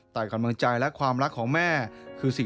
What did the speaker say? แต่กำลังใจและความรักของแม่